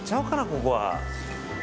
ここは。